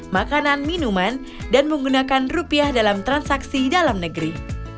makanan minuman dan menggunakan rupiah dalam transaksi dalam negeri